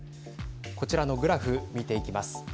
こちらのグラフ見ていきます。